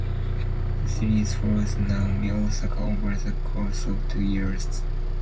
The series follows Naomi Osaka over the course of two years.